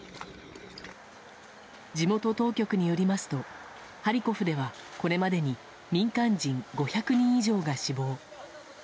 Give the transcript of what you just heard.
地元当局によりますとハリコフでは、これまでに民間人５００人以上が死亡。